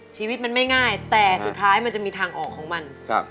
ชีวิตมันไม่ง่ายแต่สุดท้ายมันจะมีทางออกของมันครับ